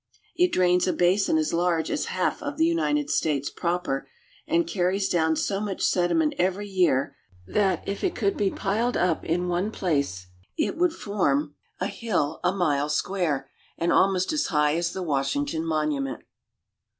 It drains a basin as large as half of the United States proper, and carries down so much sediment every year that, if it could be piled up in one place, it would form a 224 AFRICA hill a mile square, and almost as high as the Washington Monument.